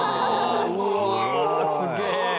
「うわっすげえ！」